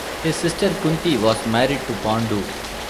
His sister Kunti was married to Pandu.